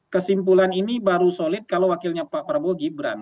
kesimpulan ini baru solid kalau wakilnya pak prabowo gibran